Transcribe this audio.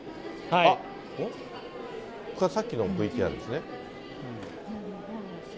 あっ、これはさっきのＶＴＲですね。